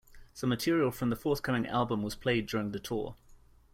Some material from the forthcoming album was played during the tour.